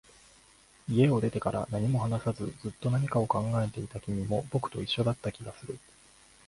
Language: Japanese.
家を出てから、何も話さず、ずっと何かを考えていた君も、僕と一緒だった気がする